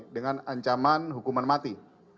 dengan ancaman hukuman mati